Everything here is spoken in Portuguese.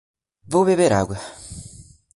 Vou beber água.